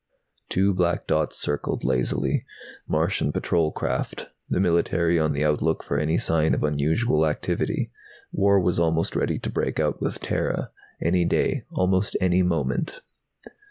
Two black dots circled lazily. Martian patrol craft, the military on the outlook for any sign of unusual activity. War was almost ready to break out with Terra. Any day, almost any moment.